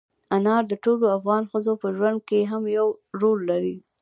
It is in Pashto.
انار د ټولو افغان ښځو په ژوند کې هم یو رول لري.